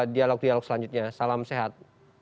dialog dialog selanjutnya salam sehat